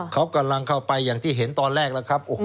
เขากำลังเข้าไปอย่างที่เห็นตอนแรกแล้วครับ